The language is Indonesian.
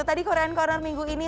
tadi korean corner minggu ini